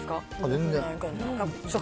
全然。